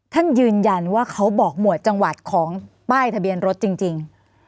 ท่านยืนยันว่าเขาบอกหมวดจังหวัดของป้ายทะเบียนรถจริง